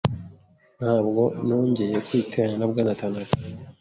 Ntabwo nongeye kwiteranya na Bwana Tanaka.